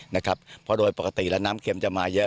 เพราะโดยปกติน้ำเข็มจะมาเยอะ